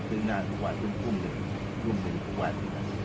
ซึ่งงานทุกวันรุ่นพรุ่งหนึ่งรุ่นพรุ่งหนึ่งทุกวัน